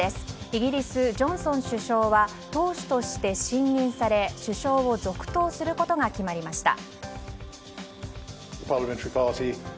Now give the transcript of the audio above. イギリス、ジョンソン首相は党首として信任され首相を続投することが決まりました。